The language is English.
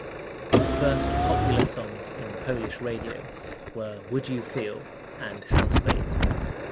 The first popular songs in Polish radio were "Would You Feel" and "House Babe".